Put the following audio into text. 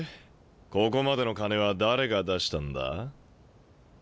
ここまでの金は誰が出したんだ？